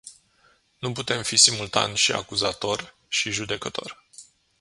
Nu putem fi simultan și acuzator și judecător.